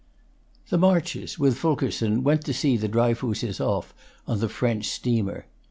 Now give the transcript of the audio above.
The Marches, with Fulkerson, went to see the Dryfooses off on the French steamer.